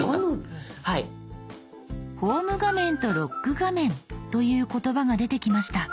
「ホーム画面」と「ロック画面」という言葉が出てきました。